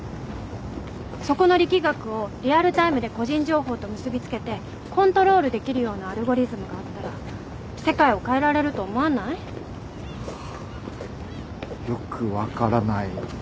そこの力学をリアルタイムで個人情報と結び付けてコントロールできるようなアルゴリズムがあったら世界を変えられると思わない？はよく分からない。